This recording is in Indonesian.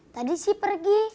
tadi sih pergi